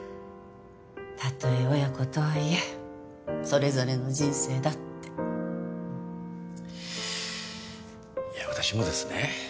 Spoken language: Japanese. たとえ親子とはいえそれぞれの人生だっていや私もですね